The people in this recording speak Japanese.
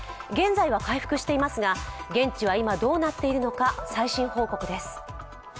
現在は回復していますが、現地は今どうなっているのか最新報告です。